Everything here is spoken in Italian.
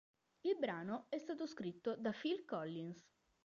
Il brano è stato scritto da Phil Collins.